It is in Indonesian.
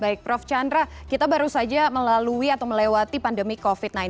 baik prof chandra kita baru saja melalui atau melewati pandemi covid sembilan belas